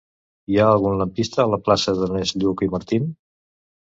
Hi ha algun lampista a la plaça d'Ernest Lluch i Martín?